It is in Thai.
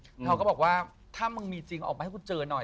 เขาก็บอกว่าถ้ามึงมีจริงออกมาให้กูเจอหน่อย